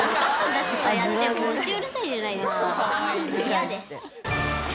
嫌です。